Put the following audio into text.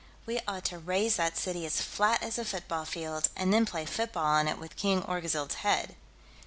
"We ought to raze that city as flat as a football field, and then play football on it with King Orgzild's head."